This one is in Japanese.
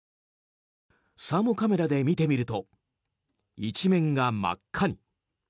サーモカメラで見てみると一面が真っ赤に。